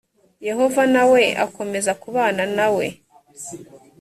yehova na we akomeza kubana na we